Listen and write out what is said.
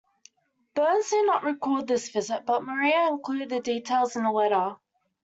Burns did not record this visit, but Maria included the details in a letter.